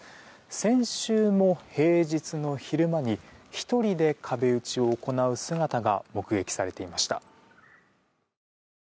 先週も平日の昼間に１人で壁打ちを行う姿が目撃されていました。